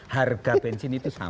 harga bensin itu sama